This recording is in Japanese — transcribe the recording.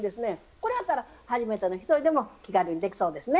これやったら初めての人にでも気軽にできそうですね。